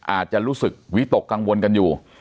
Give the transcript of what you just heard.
อาจจะรู้สึกวิตกกังวลกันอยู่